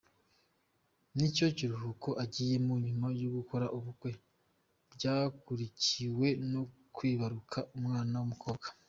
Ni cyo kiruhuko agiyemo nyuma yo gukora ubukwe byakurikiwe no kwibaruka umwana w’umukobwa.